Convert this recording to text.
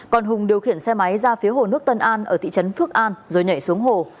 còn hùng điều khiển xe máy ra phía hồ nước tân an ở thị trấn phước an rồi nhảy xuống hồ